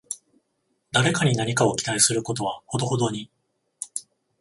誰かに何かを期待することはほどほどに